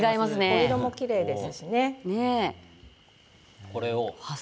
お色もきれいですしね。